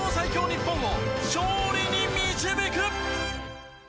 日本を勝利に導く。